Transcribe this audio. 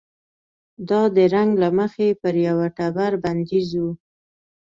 دا د رنګ له مخې پر یوه ټبر بندیز و.